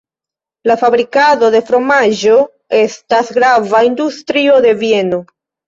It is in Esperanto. La fabrikado de fromaĝo estas grava industrio de Vieno.